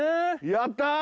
やったー